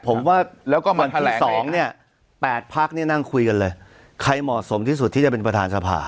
ผมว่าแล้วก็วันที่๒เนี่ย๘พักเนี่ยนั่งคุยกันเลยใครเหมาะสมที่สุดที่จะเป็นประธานสภา